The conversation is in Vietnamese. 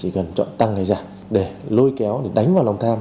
chỉ cần chọn tăng này ra để lôi kéo đánh vào lòng tham